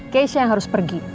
keisha yang harus pergi